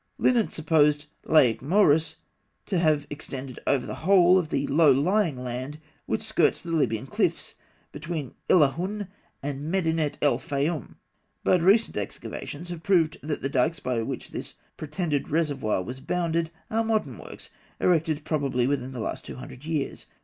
Linant supposed "Lake Moeris" to have extended over the whole of the low lying land which skirts the Libyan cliffs between Illahûn and Medinet el Fayûm; but recent explorations have proved that the dikes by which this pretended reservoir was bounded are modern works, erected probably within the last two hundred years.